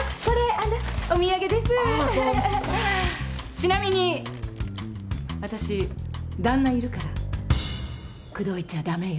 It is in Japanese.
ちなみにわたし旦那いるから口説いちゃダメよ。